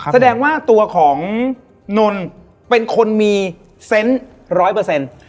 แสดงว่าตัวของนนเป็นคนมีเซนต์ร้อยเปอร์เซ็นต์